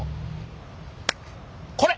これ！